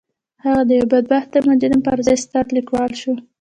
هغه د يوه بدبخته مجرم پر ځای ستر ليکوال شو.